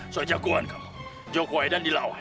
soalnya aku yang kawan kamu jogohedan dilawan